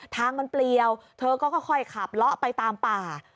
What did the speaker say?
ทางมันเปลี่ยวเธอก็ค่อยขับเลาะไปตามป่า